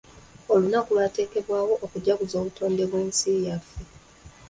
Olunaku lwateekebwawo okujaguza obutonde bw'ensi yaffe.